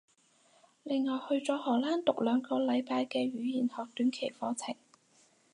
另外去咗荷蘭讀兩個禮拜嘅語言學短期課程